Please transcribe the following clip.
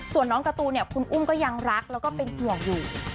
ส่วนน้องการ์ตูนเนี่ยคุณอุ้มก็ยังรักแล้วก็เป็นห่วงอยู่